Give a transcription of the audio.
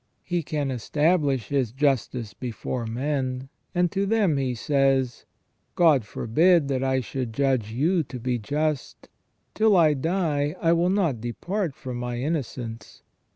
He can establish his justice before men, and to them he says :" God forbid that I should judge you to be just : till I die I will not depart from my innocence.